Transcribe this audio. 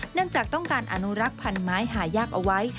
เนื่องจากต้องการอนุรักษ์พันธุ์ไม้หายากเอาไว้